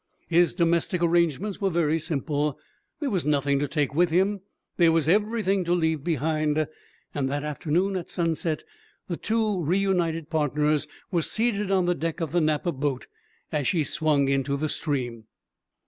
His domestic arrangements were very simple; there was nothing to take with him there was everything to leave behind. And that afternoon, at sunset, the two reunited partners were seated on the deck of the Napa boat as she swung into the stream.